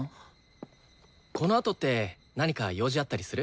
このあとって何か用事あったりする？